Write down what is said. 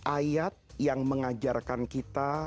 ayat yang mengajarkan kita